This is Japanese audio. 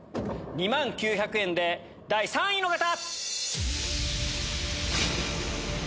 ２万９００円で第３位の方！